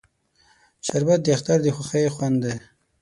شربت د اختر د خوښۍ خوند دی